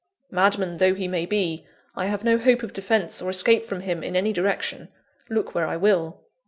Madman though he may be, I have no hope of defence or escape from him in any direction, look where I will.